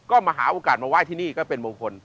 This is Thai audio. ก็มาหาโอกาสมาไหว้ที่นี่ก็เป็นมงคล